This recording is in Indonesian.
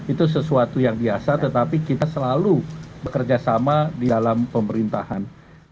itu sesuatu yang biasa tetapi kita selalu bekerja sama di dalam pemerintahan